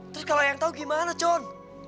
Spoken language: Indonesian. terus kalo yang tau gimana con